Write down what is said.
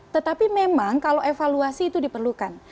tetapi memang kalau evaluasi itu diperlukan